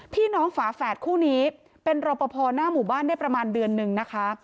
ฝาแฝดคู่นี้เป็นรอปภหน้าหมู่บ้านได้ประมาณเดือนนึงนะคะ